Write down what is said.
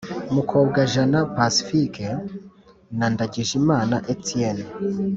mukobwajana pacifique na ndagijimana etienne.